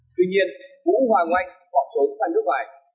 tuy nhiên vũ hoàng oanh bỏ trốn sang nước